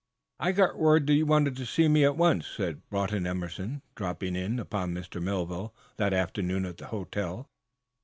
"I got word that you wanted to see me at once," said Broughton Emerson, dropping in upon Mr. Melville that afternoon at the hotel.